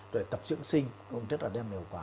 rồi tập trưởng sinh cũng rất là đem hiệu quả